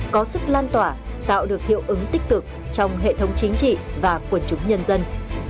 có sức lan tỏa tạo được hiệu ứng tích cực trong hệ thống chính trị và quần chúng nhân dân